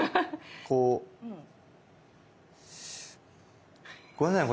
こうごめんなさいね